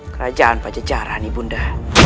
kerajaan pajajara nibunda